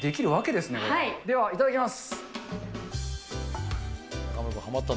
ではいただきます。